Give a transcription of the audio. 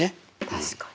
確かに。